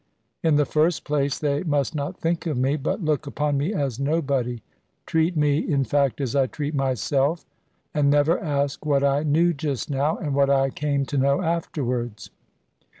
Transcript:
In the first place, they must not think of me, but look upon me as nobody (treat me, in fact, as I treat myself), and never ask what I knew just now, and what I came to know afterwards.